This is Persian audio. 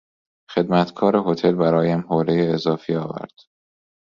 خدمتکار هتل برایم حولهی اضافی آورد.